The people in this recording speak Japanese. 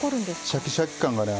シャキシャキ感がね